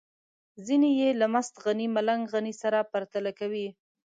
ځينې يې له مست غني ملنګ غني سره پرتله کوي.